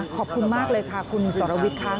ขอบคุณมากเลยค่ะคุณสรวิทย์ค่ะ